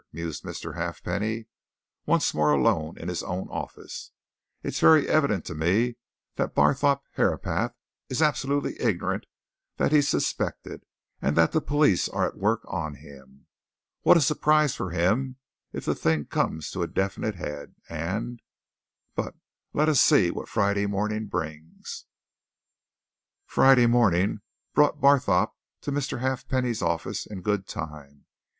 mused Mr. Halfpenny, once more alone in his own office. "It's very evident to me that Barthorpe Herapath is absolutely ignorant that he's suspected, and that the police are at work on him! What a surprise for him if the thing comes to a definite head, and but let us see what Friday morning brings." Friday morning brought Barthorpe to Mr. Halfpenny's offices in good time.